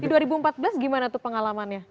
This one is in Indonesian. di dua ribu empat belas gimana tuh pengalamannya